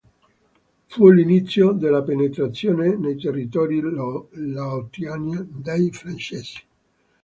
Fu l'inizio della penetrazione nei territori laotiani dei francesi.